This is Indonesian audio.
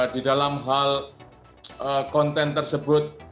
di dalam hal konten tersebut